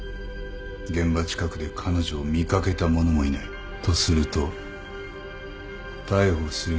現場近くで彼女を見かけた者もいない。とすると逮捕するには何が必要だ？